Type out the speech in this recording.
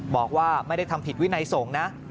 บอกว่าไม่ได้ทำผิดวินัยสงฆ์นะ